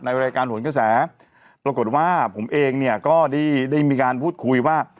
ในวันโรยการฐวร์ขุนแสปรากฏว่าผมเองเนี้ยก็ได้ได้มีการพูดคุยว่า